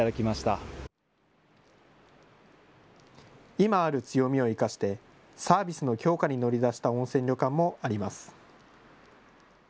今ある強みを生かしてサービスの強化に乗り出した温泉旅館もあります。